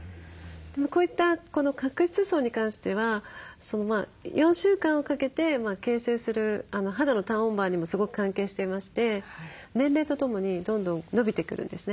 こういった角質層に関しては４週間をかけて形成する肌のターンオーバーにもすごく関係していまして年齢とともにどんどん延びてくるんですね。